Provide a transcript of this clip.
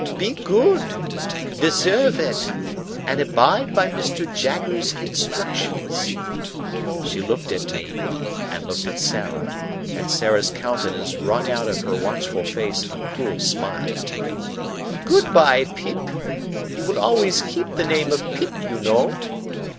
Be good—deserve it—and abide by Mr. Jaggers's instructions." She looked at me, and looked at Sarah, and Sarah's countenance wrung out of her watchful face a cruel smile. "Good bye, Pip!—you will always keep the name of Pip, you know."